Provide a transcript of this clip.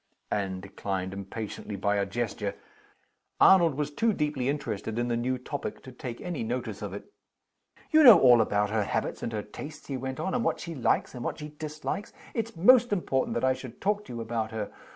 Anne declined impatiently, by a gesture. Arnold was too deeply interested in the new topic to take any notice of it. "You know all about her habits and her tastes," he went on, "and what she likes, and what she dislikes. It's most important that I should talk to you about her.